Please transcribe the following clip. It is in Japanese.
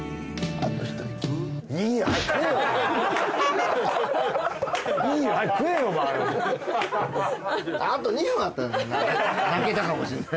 あと２分あったら泣けたかもしれない。